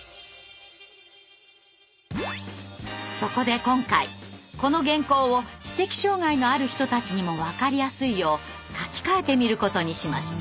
そこで今回この原稿を知的障害のある人たちにもわかりやすいよう書き換えてみることにしました。